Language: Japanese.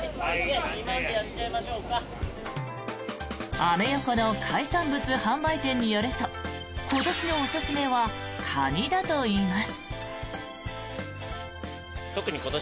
アメ横の海産物販売店によると今年のおすすめはカニだといいます。